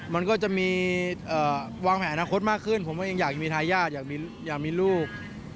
มันก็จะมีวางแผนอนาคตมากขึ้นผมเองอยากมีทายาทอยากมีลูก